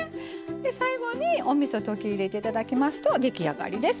最後に、おみそときいれていただきますと出来上がりです。